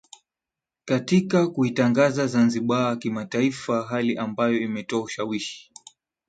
katika kuitangaza Zanzibar Kimataifa hali ambayo imetoa ushawishi